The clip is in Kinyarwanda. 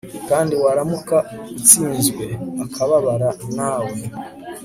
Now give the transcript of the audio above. kandi, waramuka utsinzwe, akababarana nawe